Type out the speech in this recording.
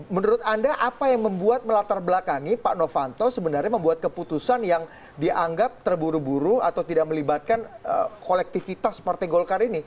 menurut anda apa yang membuat melatar belakangi pak novanto sebenarnya membuat keputusan yang dianggap terburu buru atau tidak melibatkan kolektivitas partai golkar ini